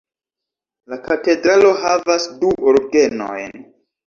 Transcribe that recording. La katedralo havas du orgenojn.